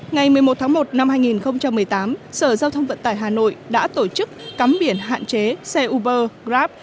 ngày một mươi một tháng một năm hai nghìn một mươi tám sở giao thông vận tải hà nội đã tổ chức cắm biển hạn chế xe uber grab